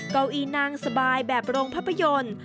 เก้าอี้นางสบายแบบโรงภาพยนตร์